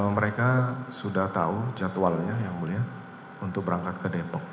mereka sudah tahu jadwalnya yang mulia untuk berangkat ke depok